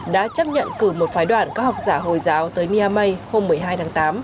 đã chấp nhận cử một phái đoàn các học giả hồi giáo tới niamey hôm một mươi hai tháng tám